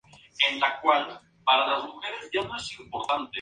France; Rev.